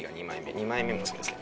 ２枚目もそうですね